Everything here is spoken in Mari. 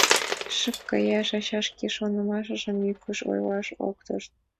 Шып каят, ача шке шонымыжым йӱкын ойлаш ок тошт.